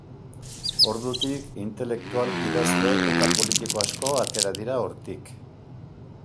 Ordutik intelektual, idazle eta politiko asko atera dira hortik.